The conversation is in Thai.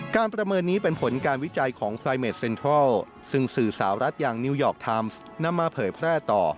ประเมินนี้เป็นผลการวิจัยของพลายเมดเซ็นทรัลซึ่งสื่อสาวรัฐอย่างนิวยอร์กไทม์นำมาเผยแพร่ต่อ